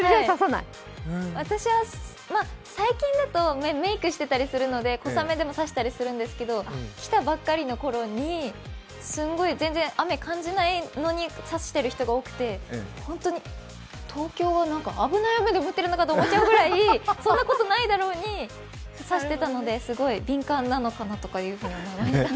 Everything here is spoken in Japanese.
私は、最近だとメークしてたりするので小雨でも差したりするんですけど、来たばかりのころにすんごい、全然雨感じないのに差してる人が多くて本当に東京は危ない雨が降っているのかと思うぐらい、そんなことないだろうに、差してたのですごい、敏感なのかなというふうに思いました。